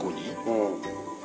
うん。